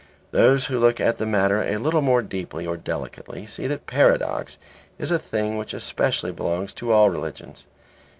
Those who look at the matter a little more deeply or delicately see that paradox is a thing which especially belongs to all religions.